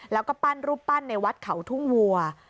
แล้วก็ปั้นรูปปั้นในวัดเขาทุ่งวัว